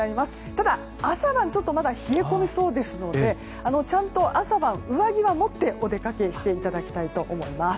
ただ、朝晩は冷え込みそうですのでちゃんと朝晩は上着は持ってお出かけしていただきたいと思います。